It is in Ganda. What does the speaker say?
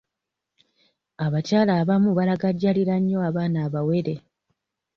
Abakyala abamu balagajjalira nnyo abaana abawere.